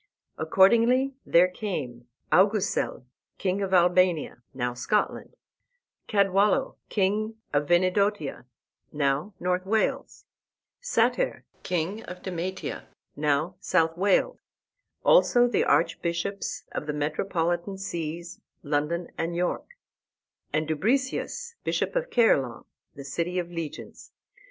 Accordingly there came Augusel, king of Albania, now Scotland, Cadwallo, king of Venedotia, now North Wales, Sater, king of Demetia, now South Wales; also the archbishops of the metropolitan sees, London and York, and Dubricius, bishop of Caerleon, the City of Legions.